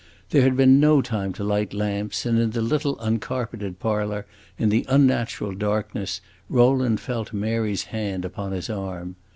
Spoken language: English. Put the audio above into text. There had been no time to light lamps, and in the little uncarpeted parlor, in the unnatural darkness, Rowland felt Mary's hand upon his arm.